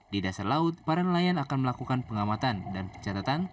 di dasar laut para nelayan akan melakukan pengamatan dan pencatatan